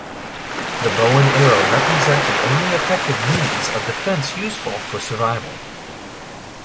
The bow and arrow represent the only effective means of defense useful for survival.